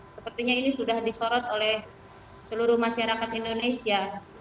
sepertinya ini sudah disorot oleh seluruh masyarakat indonesia